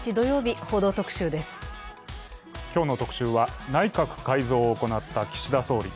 今日の特集は、内閣改造を行った岸田総理。